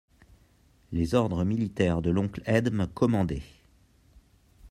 Les ordres militaires de l'oncle Edme commandaient.